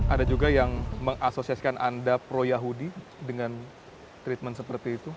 ada juga yang mengasosiasikan anda pro yahudi dengan treatment seperti itu